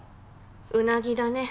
うなぎだね。